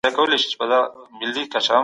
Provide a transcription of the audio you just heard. نن لري سبا لري